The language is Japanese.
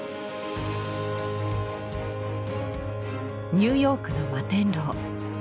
ニューヨークの摩天楼。